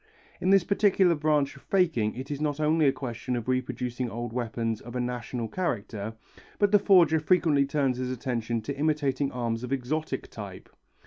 In this particular branch of faking it is not only a question of reproducing old weapons of a national character, but the forger frequently turns his attention to imitating arms of exotic type.